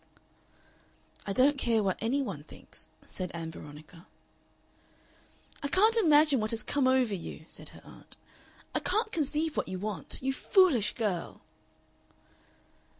"I don't care what any one thinks," said Ann Veronica. "I can't imagine what has come over you," said her aunt. "I can't conceive what you want. You foolish girl!"